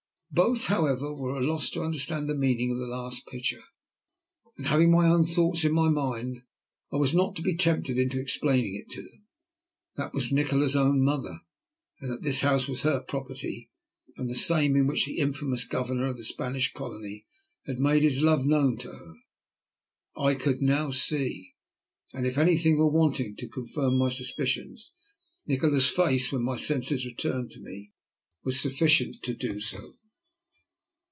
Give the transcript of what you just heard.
Both, however, were at a loss to understand the meaning of the last picture, and, having my own thoughts in my mind, I was not to be tempted into explaining it to them. That it was Nikola's own mother, and that this house was her property, and the same in which the infamous governor of the Spanish Colony had made his love known to her, I could now see. And if anything were wanting to confirm my suspicions, Nikola's face, when my senses returned to me, was sufficient to do so.